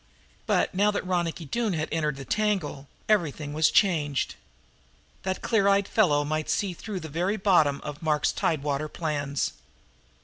But, now that Ronicky Doone had entered the tangle, everything was changed. That clear eyed fellow might see through to the very bottom of Mark's tidewater plans.